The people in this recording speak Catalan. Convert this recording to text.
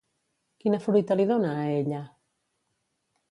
Quina fruita li dona a ella?